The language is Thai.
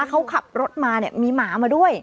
เขาขับรถมาเนี่ยมีหมามาด้วย